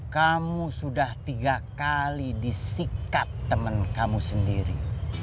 kamu sudah tiga kali disikat teman kamu sendiri